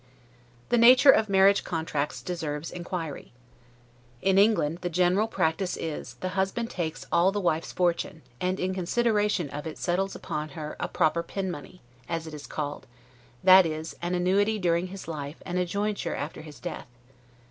The nature of marriage contracts deserves inquiry. In England, the general practice is, the husband takes all the wife's fortune; and in consideration of it settles upon her a proper pin money, as it is called; that is, an annuity during his life, and a jointure after his death.